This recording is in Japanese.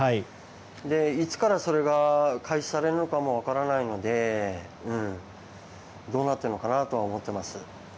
いつからそれが開始されるのかも分からないのでどうなっているのかなとは思っています。